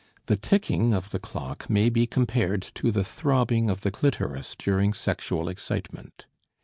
The ticking of the clock may be compared to the throbbing of the clitoris during sexual excitement.